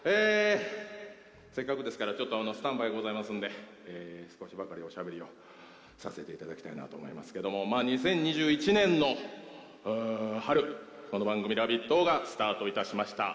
せっかくですからスタンバイございますんで少しばかりおしゃべりをさせていただきたいと思いますけど、２０２１年の春、この番組「ラヴィット！」がスタートしました。